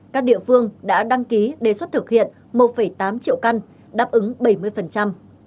các địa phương đã đăng ký đề xuất thực hiện một tám triệu căn đáp ứng bảy mươi